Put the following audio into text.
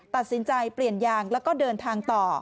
ตัดสินใจเปลี่ยนยางแล้วก็เดินทางต่อ